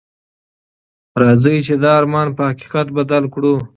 راځئ چې دا ارمان په حقیقت بدل کړو.